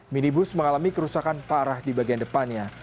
minibus mengalami kerusakan parah di bagian depannya